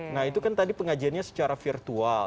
nah itu kan tadi pengajiannya secara virtual